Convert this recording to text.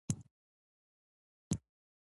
ډیرې سیمې په واک کې راغلې.